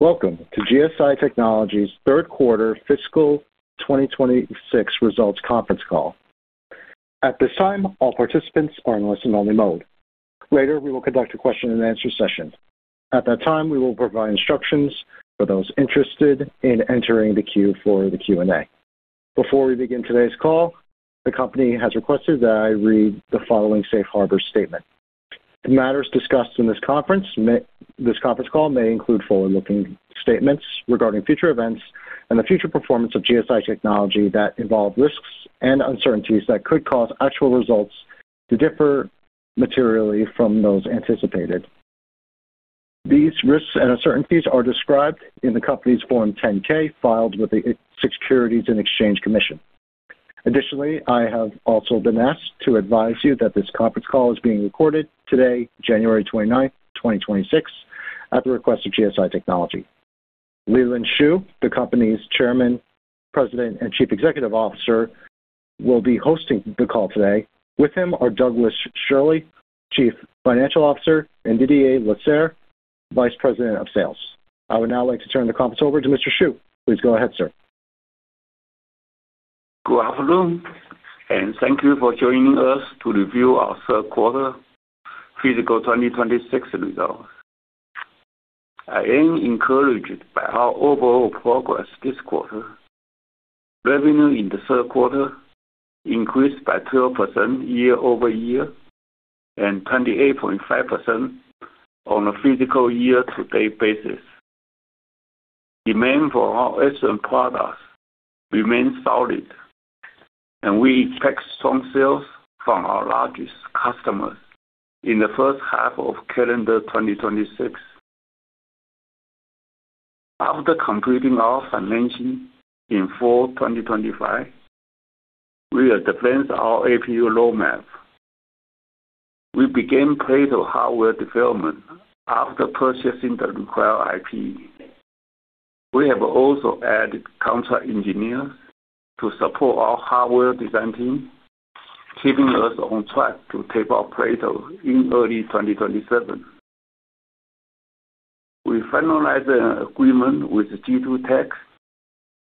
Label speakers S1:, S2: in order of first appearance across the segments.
S1: Welcome to GSI Technology's Q3 Fiscal 2026 Results Conference Call. At this time, all participants are in listen-only mode. Later, we will conduct a question-and-answer session. At that time, we will provide instructions for those interested in entering the queue for the Q&A. Before we begin today's call, the company has requested that I read the following Safe Harbor statement. The matters discussed in this conference call may include forward-looking statements regarding future events and the future performance of GSI Technology that involve risks and uncertainties that could cause actual results to differ materially from those anticipated. These risks and uncertainties are described in the company's Form 10-K filed with the Securities and Exchange Commission. Additionally, I have also been asked to advise you that this conference call is being recorded today, January 29th, 2026, at the request of GSI Technology. Lee-Lean Shu, the company's Chairman, President, and Chief Executive Officer, will be hosting the call today. With him are Douglas Schirle, Chief Financial Officer, and Didier Lasserre, Vice President of Sales. I would now like to turn the conference over to Mr. Shu. Please go ahead, sir.
S2: Good afternoon, and thank you for joining us to review our Q3 fiscal 2026 results. I am encouraged by our overall progress this quarter. Revenue in the Q3 increased by 12% year-over-year and 28.5% on a fiscal year-to-date basis. Demand for our excellent products remains solid, and we expect strong sales from our largest customers in the first half of calendar 2026. After completing our financing in fall 2025, we advanced our APU roadmap. We began planning hardware development after purchasing the required IP. We have also added contract engineers to support our hardware design team, keeping us on track to tape out Plato in early 2027. We finalized an agreement with G2 Tech,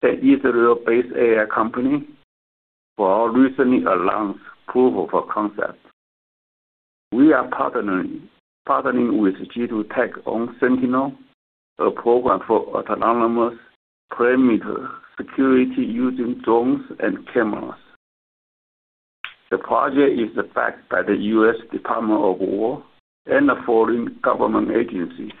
S2: an Israel-based AI company, for our recently announced proof-of-concept. We are partnering with G2 Tech on Sentinel, a program for autonomous perimeter security using drones and cameras. The project is backed by the U.S. Department of War and the following government agencies.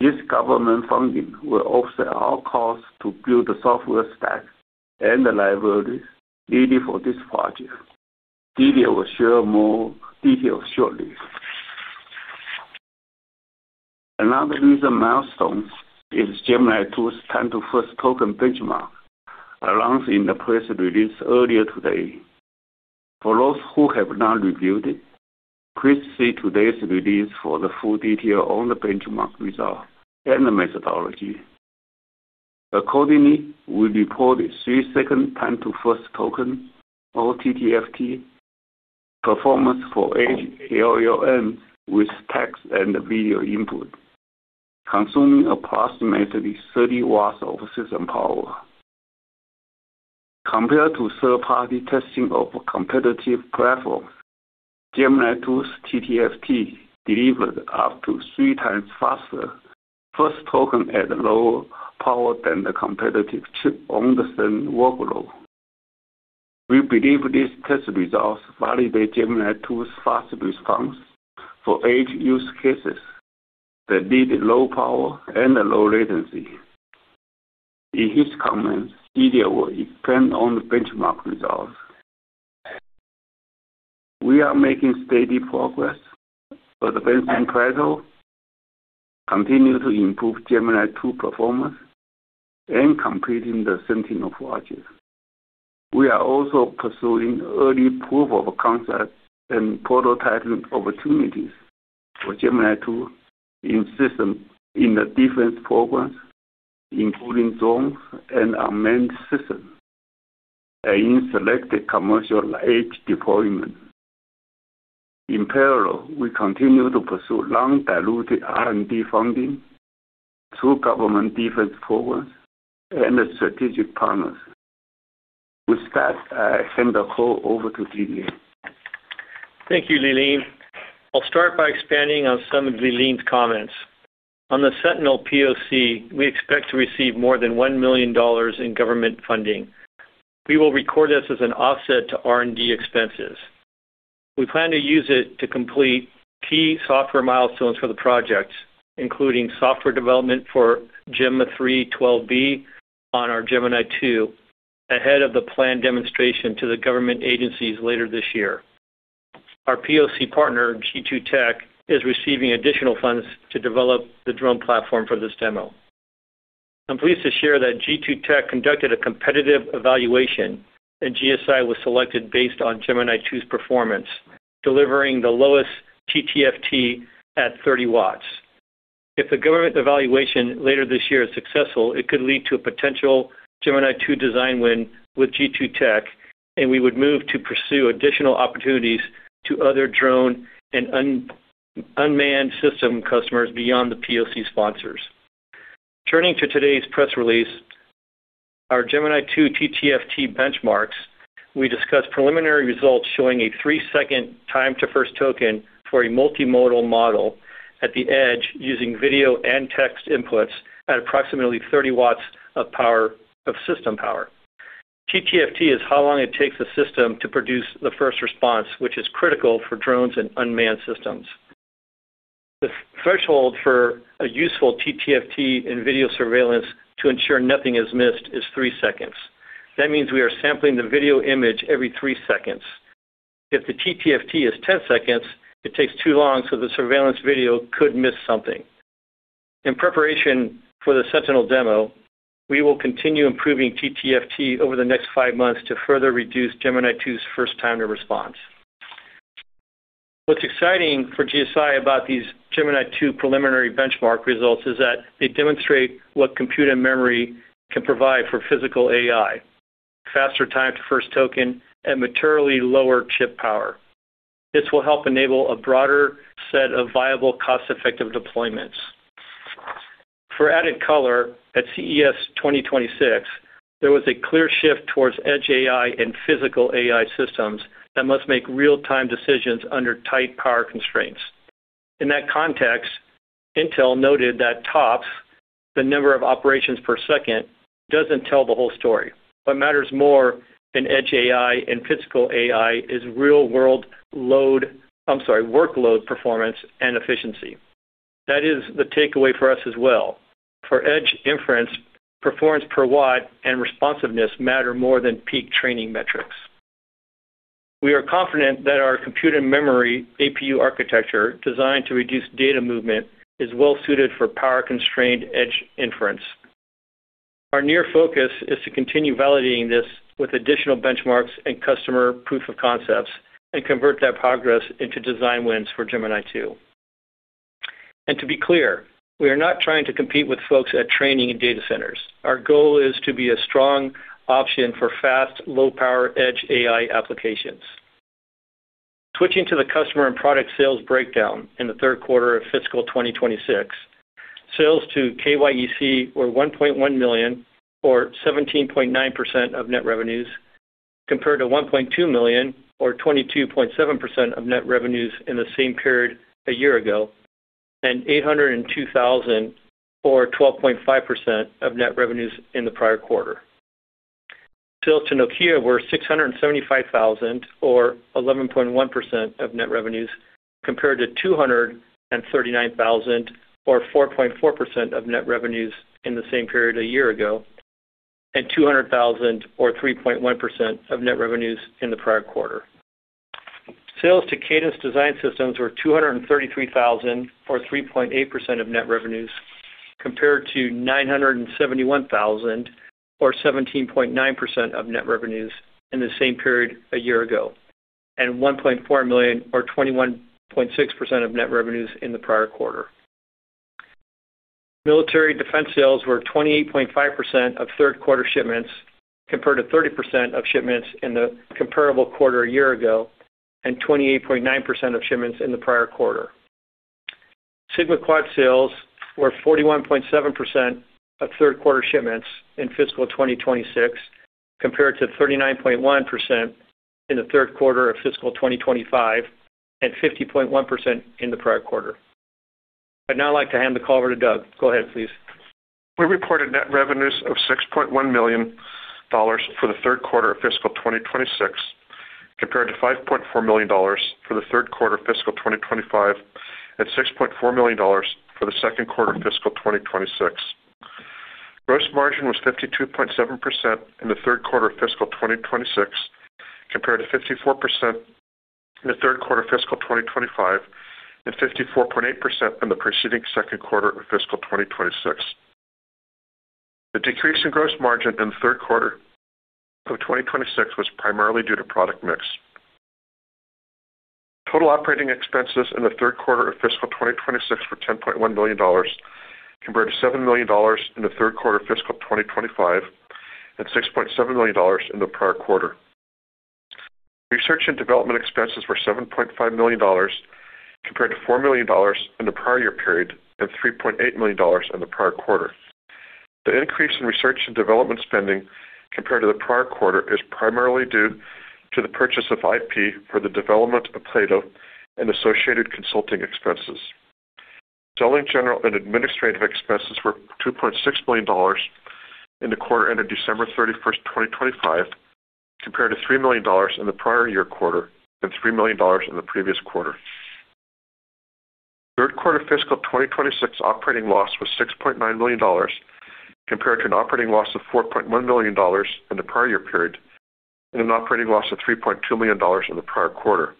S2: This government funding will offset our costs to build the software stack and the libraries needed for this project. Didier will share more details shortly. Another recent milestone is Gemini-II's time-to-first token benchmark, announced in the press release earlier today. For those who have not reviewed it, please see today's release for the full detail on the benchmark result and the methodology. Accordingly, we reported three-second time-to-first token, or TTFT, performance for MLLM with text and video input, consuming approximately 30 watts of system power. Compared to third-party testing of competitive platforms, Gemini 's TTFT delivered up to three times faster first token at lower power than the competitive chip on the same workload. We believe these test results validate Gemini-II's fast response for edge use cases that need low power and low latency. In his comments, Didier will expand on the benchmark results. We are making steady progress, advancing playthrough, continuing to improve Gemini-II performance, and completing the Sentinel project. We are also pursuing early proof-of-concept and prototyping opportunities for Gemini-II in systems in the defense programs, including drones and unmanned systems, and in selected commercial edge deployments. In parallel, we continue to pursue non-diluted R&D funding through government defense programs and strategic partners. With that, I hand the call over to Didier.
S3: Thank you, Lee-Lean. I'll start by expanding on some of Lee-Lean's comments. On the Sentinel POC, we expect to receive more than $1 million in government funding. We will record this as an offset to R&D expenses. We plan to use it to complete key software milestones for the projects, including software development for Gemma 3 12B on our Gemini-II, ahead of the planned demonstration to the government agencies later this year. Our POC partner, G2 Tech, is receiving additional funds to develop the drone platform for this demo. I'm pleased to share that G2 Tech conducted a competitive evaluation, and GSI was selected based on Gemini-II's performance, delivering the lowest TTFT at 30 watts. If the government evaluation later this year is successful, it could lead to a potential Gemini-II design win with G2 Tech, and we would move to pursue additional opportunities to other drone and unmanned system customers beyond the POC sponsors. Turning to today's press release, our Gemini-II TTFT benchmarks, we discussed preliminary results showing a 3-second time-to-first token for a multimodal model at the edge using video and text inputs at approximately 30 watts of system power. TTFT is how long it takes the system to produce the first response, which is critical for drones and unmanned systems. The threshold for a useful TTFT in video surveillance to ensure nothing is missed is 3 seconds. That means we are sampling the video image every 3 seconds. If the TTFT is 10 seconds, it takes too long, so the surveillance video could miss something. In preparation for the Sentinel demo, we will continue improving TTFT over the next five months to further reduce Gemini-II's first time to response. What's exciting for GSI about these Gemini-II preliminary benchmark results is that they demonstrate what compute and memory can provide for physical AI: faster time-to-first token and materially lower chip power. This will help enable a broader set of viable, cost-effective deployments. For added color, at CES 2026, there was a clear shift towards edge AI and physical AI systems that must make real-time decisions under tight power constraints. In that context, Intel noted that TOPS, the number of operations per second, doesn't tell the whole story. What matters more in edge AI and physical AI is real-world load, I'm sorry, workload performance and efficiency. That is the takeaway for us as well. For edge inference, performance per watt and responsiveness matter more than peak training metrics. We are confident that our compute and memory APU architecture, designed to reduce data movement, is well-suited for power-constrained edge inference. Our near focus is to continue validating this with additional benchmarks and customer proof-of-concepts and convert that progress into design wins for Gemini-II. To be clear, we are not trying to compete with folks at training and data centers. Our goal is to be a strong option for fast, low-power edge AI applications. Switching to the customer and product sales breakdown in the Q3 of fiscal 2026, sales to KYEC were $1.1 million, or 17.9% of net revenues, compared to $1.2 million, or 22.7% of net revenues in the same period a year ago, and $802,000, or 12.5% of net revenues in the prior quarter. Sales to Nokia were $675,000, or 11.1% of net revenues, compared to $239,000, or 4.4% of net revenues in the same period a year ago, and $200,000, or 3.1% of net revenues in the prior quarter. Sales to Cadence Design Systems were $233,000, or 3.8% of net revenues, compared to $971,000, or 17.9% of net revenues in the same period a year ago, and $1.4 million, or 21.6% of net revenues in the prior quarter. Military defense sales were 28.5% of third-quarter shipments, compared to 30% of shipments in the comparable quarter a year ago, and 28.9% of shipments in the prior quarter. SigmaQuad sales were 41.7% of third-quarter shipments in fiscal 2026, compared to 39.1% in the Q3 of fiscal 2025, and 50.1% in the prior quarter. I'd now like to hand the call over to Doug. Go ahead, please.
S4: We reported net revenues of $6.1 million for the Q3 of fiscal 2026, compared to $5.4 million for the Q3 of fiscal 2025, and $6.4 million for the Q2 of fiscal 2026. Gross margin was 52.7% in the Q3 of fiscal 2026, compared to 54% in the Q3 of fiscal 2025, and 54.8% in the preceding Q2 of fiscal 2026. The decrease in gross margin in the Q3 of 2026 was primarily due to product mix. Total operating expenses in the Q3 of fiscal 2026 were $10.1 million, compared to $7 million in the Q3 of fiscal 2025, and $6.7 million in the prior quarter. Research and development expenses were $7.5 million, compared to $4 million in the prior year period, and $3.8 million in the prior quarter. The increase in research and development spending compared to the prior quarter is primarily due to the purchase of IP for the development of Plato and associated consulting expenses. Selling, general, and administrative expenses were $2.6 million in the quarter ended December 31st, 2025, compared to $3 million in the prior year quarter and $3 million in the previous quarter. Q3 fiscal 2026 operating loss was $6.9 million, compared to an operating loss of $4.1 million in the prior year period and an operating loss of $3.2 million in the prior quarter.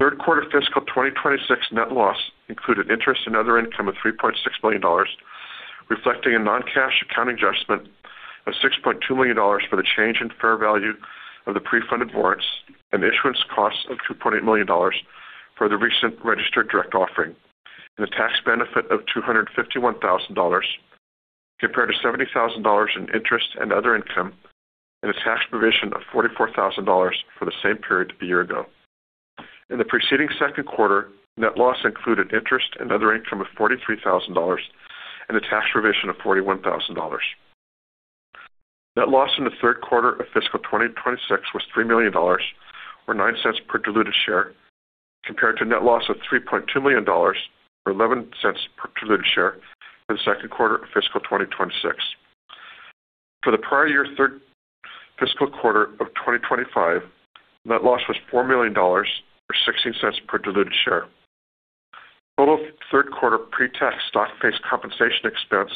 S4: Q3 fiscal 2026 net loss included interest and other income of $3.6 million, reflecting a non-cash accounting adjustment of $6.2 million for the change in fair value of the pre-funded warrants and issuance costs of $2.8 million for the recent registered direct offering, and a tax benefit of $251,000, compared to $70,000 in interest and other income, and a tax provision of $44,000 for the same period a year ago. In the preceding Q2, net loss included interest and other income of $43,000 and a tax provision of $41,000. Net loss in the Q3 of fiscal 2026 was $3 million, or 9 cents per diluted share, compared to net loss of $3.2 million, or 11 cents per diluted share for the Q2 of fiscal 2026. For the prior year fiscal quarter of 2025, net loss was $4 million, or 16 cents per diluted share. Total Q3 pre-tax stock-based compensation expense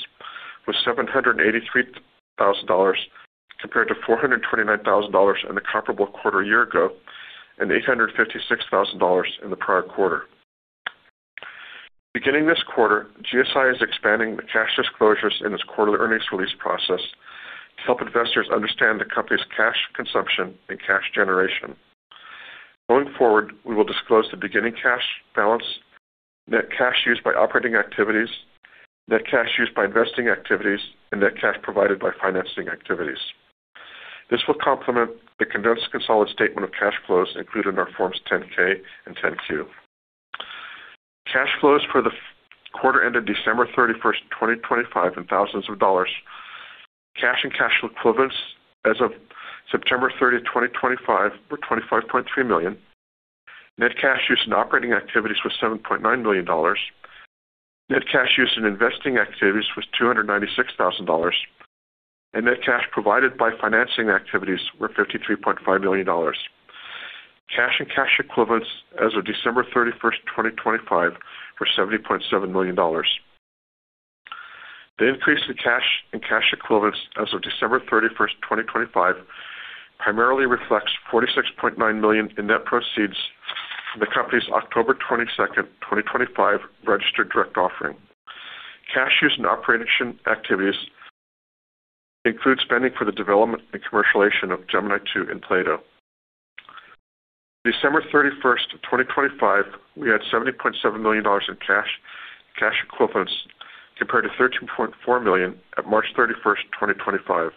S4: was $783,000, compared to $429,000 in the comparable quarter a year ago and $856,000 in the prior quarter. Beginning this quarter, GSI is expanding the cash disclosures in its quarterly earnings release process to help investors understand the company's cash consumption and cash generation. Going forward, we will disclose the beginning cash balance, net cash used by operating activities, net cash used by investing activities, and net cash provided by financing activities. This will complement the condensed consolidated statement of cash flows included in our Forms 10-K and 10-Q. Cash flows for the quarter end of December 31st, 2025, in thousands of dollars. Cash and cash equivalents as of September 30, 2025, were $25.3 million. Net cash used in operating activities was $7.9 million. Net cash used in investing activities was $296,000, and net cash provided by financing activities were $53.5 million. Cash and cash equivalents as of December 31st, 2025, were $70.7 million. The increase in cash and cash equivalents as of December 31st, 2025, primarily reflects $46.9 million in net proceeds from the company's October 22nd, 2025, registered direct offering. Cash used in operating activities includes spending for the development and commercialization of Gemini-II and Plato. December 31st, 2025, we had $70.7 million in cash and cash equivalents, compared to $13.4 million at March 31st, 2025.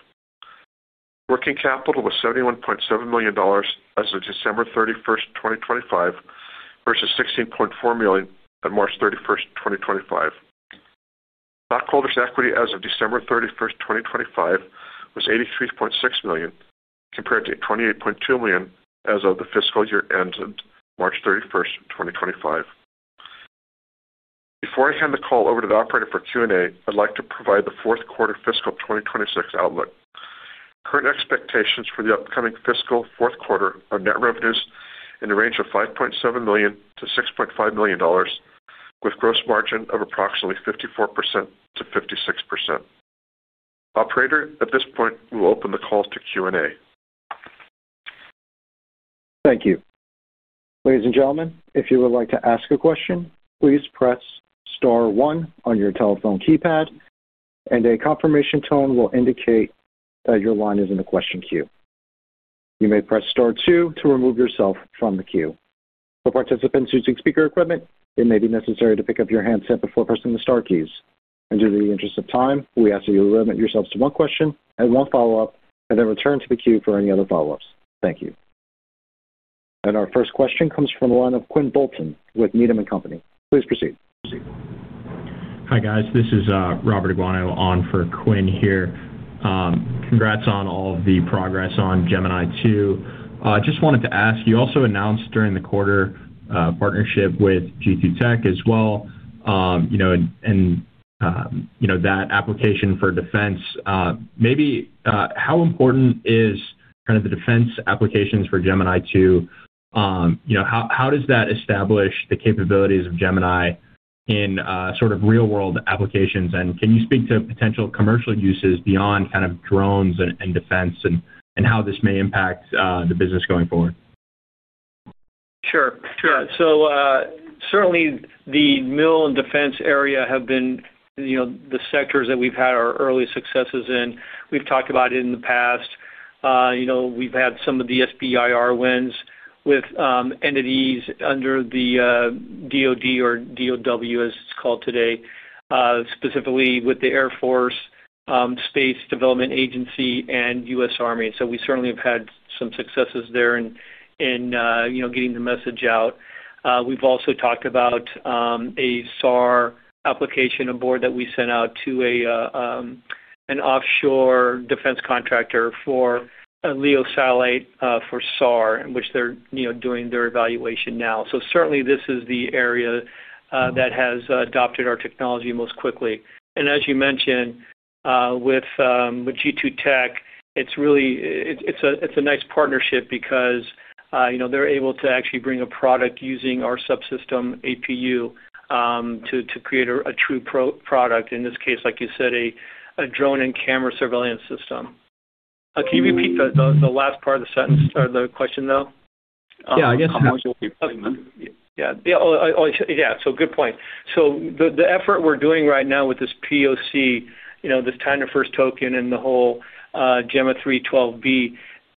S4: Working capital was $71.7 million as of December 31st, 2025, versus $16.4 million at March 31st, 2025. Stockholders' equity as of December 31st, 2025, was $83.6 million, compared to $28.2 million as of the fiscal year ended March 31st, 2025. Before I hand the call over to the operator for Q&A, I'd like to provide the Q4 fiscal 2026 outlook. Current expectations for the upcoming fiscal Q4 are net revenues in the range of $5.7 million-$6.5 million, with gross margin of approximately 54%-56%. Operator, at this point, we will open the call to Q&A.
S1: Thank you. Ladies and gentlemen, if you would like to ask a question, please press star one on your telephone keypad, and a confirmation tone will indicate that your line is in the question queue. You may press Star 2 to remove yourself from the queue. For participants using speaker equipment, it may be necessary to pick up your handset before pressing the Star keys. And in the interest of time, we ask that you limit yourselves to one question and one follow-up, and then return to the queue for any other follow-ups. Thank you. And our first question comes from the line of Quinn Bolton with Needham & Company. Please proceed.
S5: Hi, guys. This is Robert Aguanno, on for Quinn here. Congrats on all of the progress on Gemini-II. I just wanted to ask, you also announced during the quarter partnership with G2 Tech as well, and that application for defense. Maybe how important is kind of the defense applications for Gemini-II? How does that establish the capabilities of Gemini in sort of real-world applications? And can you speak to potential commercial uses beyond kind of drones and defense and how this may impact the business going forward?
S2: Sure. Sure. So certainly, the mil and defense area have been the sectors that we've had our early successes in. We've talked about it in the past. We've had some of the SBIR wins with entities under the DoD, or DoW as it's called today, specifically with the Air Force Space Development Agency and U.S. Army. So we certainly have had some successes there in getting the message out. We've also talked about a SAR application a board that we sent out to an offshore defense contractor for LEO satellite for SAR, in which they're doing their evaluation now. So certainly, this is the area that has adopted our technology most quickly. And as you mentioned, with G2 Tech, it's a nice partnership because they're able to actually bring a product using our subsystem APU to create a true product, in this case, like you said, a drone and camera surveillance system. Can you repeat the last part of the sentence or the question, though?
S5: Yeah. I guess.
S2: How much will it be? Yeah. Yeah. So good point. So the effort we're doing right now with this POC, this TTFT and the whole Gemma 3 12B,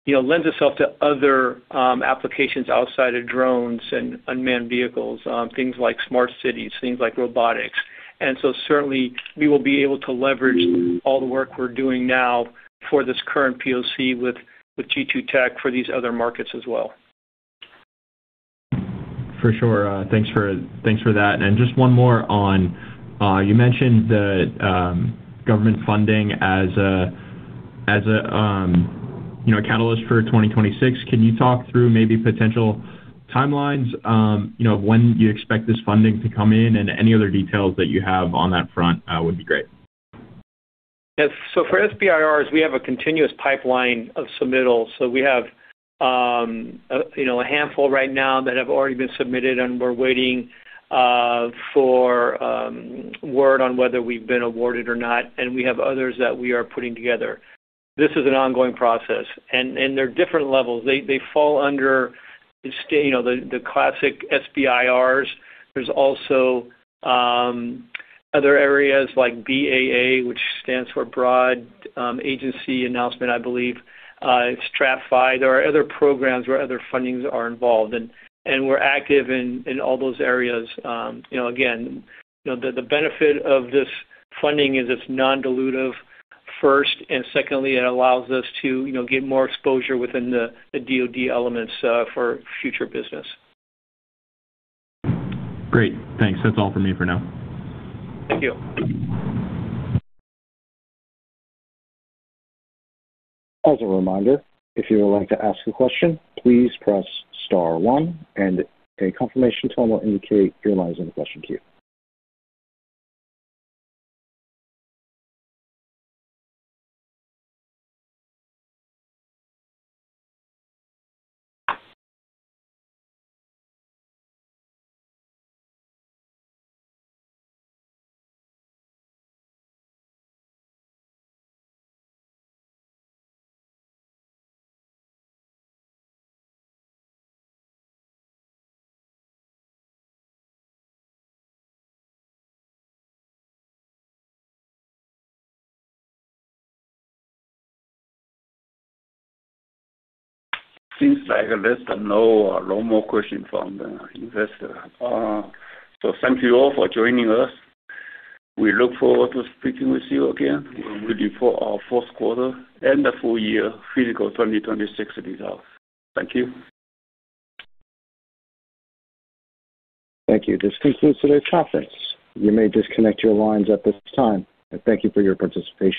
S2: lends itself to other applications outside of drones and unmanned vehicles, things like smart cities, things like robotics. And so certainly, we will be able to leverage all the work we're doing now for this current POC with G2 Tech for these other markets as well.
S5: For sure. Thanks for that. And just one more on you mentioned the government funding as a catalyst for 2026. Can you talk through maybe potential timelines of when you expect this funding to come in? And any other details that you have on that front would be great.
S2: Yes. So for SBIRs, we have a continuous pipeline of submittals. So we have a handful right now that have already been submitted, and we're waiting for word on whether we've been awarded or not. And we have others that we are putting together. This is an ongoing process. And there are different levels. They fall under the classic SBIRs. There's also other areas like BAA, which stands for Broad Agency Announcement, I believe, STRATFI. There are other programs where other fundings are involved. And we're active in all those areas. Again, the benefit of this funding is it's non-dilutive first. And secondly, it allows us to get more exposure within the DOD elements for future business.
S5: Great. Thanks. That's all for me for now.
S2: Thank you.
S1: As a reminder, if you would like to ask a question, please press star one, and a confirmation tone will indicate you're always in the question queue.
S2: Seems like there's no more questions from the investor. So thank you all for joining us. We look forward to speaking with you again. We're ready for our Q4 and the full year fiscal 2026 results. Thank you.
S1: Thank you. This concludes today's conference. You may disconnect your lines at this time. Thank you for your participation.